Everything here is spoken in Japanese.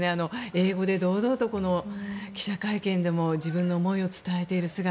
英語で堂々と記者会見でも自分の思いを伝えている姿